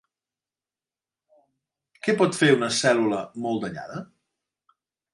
Què pot fer una cèl·lula molt danyada?